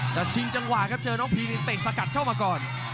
ชิงจังหวะครับเจอน้องพีนี่เตะสกัดเข้ามาก่อน